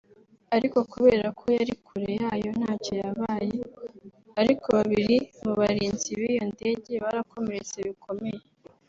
ariko kubera ko yari kure yayo ntacyo yabaye ariko babiri mu barinzi b’iyo ndege barakomeretse bikomeye